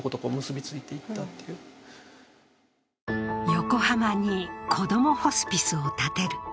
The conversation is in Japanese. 横浜にこどもホスピスを建てる。